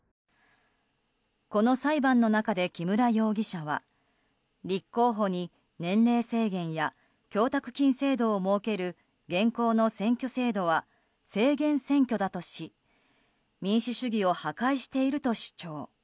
この裁判の中で木村容疑者は立候補に年齢制限や供託金制度を求める現行の選挙制度は制限選挙だとし民主主義を破壊していると主張。